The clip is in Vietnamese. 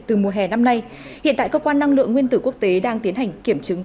từ mùa hè năm nay hiện tại cơ quan năng lượng nguyên tử quốc tế đang tiến hành kiểm chứng